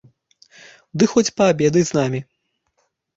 Ды хоць паабедай з намі!